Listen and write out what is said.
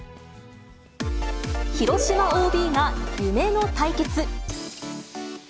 広島ＯＢが夢の対決。